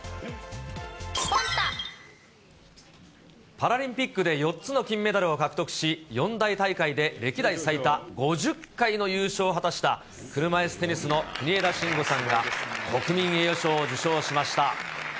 パラリンピックで４つの金メダルを獲得し、四大大会で歴代最多５０回の優勝を果たした、車いすテニスの国枝慎吾さんが、国民栄誉賞を受賞しました。